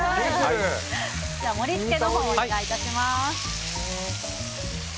盛り付けのほうをお願いします。